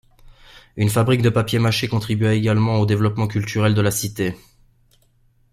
Une fabrique de papier mâché contribua également au développement culturel de la cité.